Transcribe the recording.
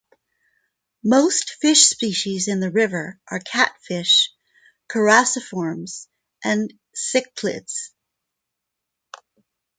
Most fish species in the river are catfish, characiforms and cichlids.